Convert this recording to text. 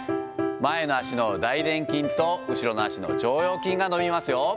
前の足のだいでん筋と、後ろの足の腸腰筋が伸びますよ。